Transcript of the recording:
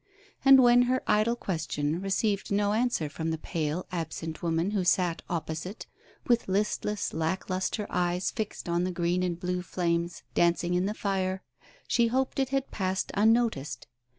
And when her idle question received no answer from the pale absent woman who sat opposite, with listless lack lustre eyes fixed on the green and blue flames dancing in the fire, she hoped it had passed unnoticed.